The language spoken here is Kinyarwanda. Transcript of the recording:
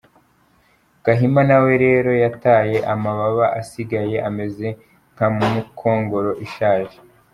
Gahima nawe rero yataye amababa asigaye ameze nka mukongoro ishaje !